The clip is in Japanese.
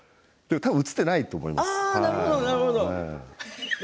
多分、映っていないと思います。